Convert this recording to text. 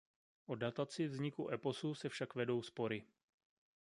O dataci vzniku eposu se však vedou spory.